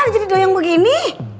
lo ngapain jadi doyang begini